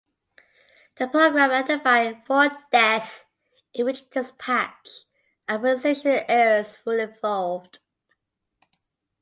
The program identified four deaths in which dispatch and prioritisation errors were involved.